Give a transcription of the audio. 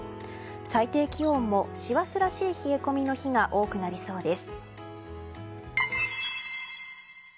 最低気温も師走らしい冷え込みの日が多くなりそうです。